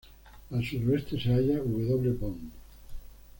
Al suroeste se halla W. Bond.